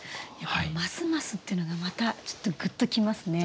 この「ますます」っていうのがまたちょっとグッときますね。